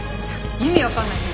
意味分かんないし。